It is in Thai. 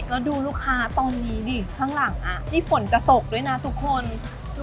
ร้านอื่นอาจจะเงียบแต่ร้านเราเนี่ยเขายาวมาเลย